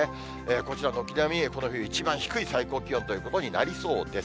こちら、軒並み、この冬一番低い最高気温ということになりそうです。